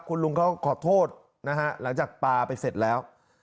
คุณลุงเขาขอโทษนะฮะหลังจากปลาไปเสร็จแล้ว